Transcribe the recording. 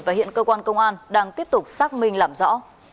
và hiện cơ quan công an đang tiếp tục xác minh làm rõ